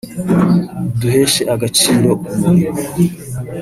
Duheshe Agaciro Umurimo